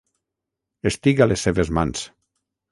Estic a les seves mans.